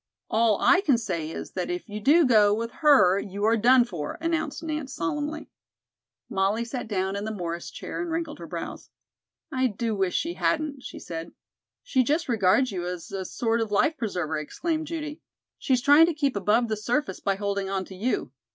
"All I can say is that if you do go with her you are done for," announced Nance solemnly. Molly sat down in the Morris chair and wrinkled her brows. "I do wish she hadn't," she said. "She just regards you as a sort of life preserver," exclaimed Judy. "She's trying to keep above the surface by holding on to you.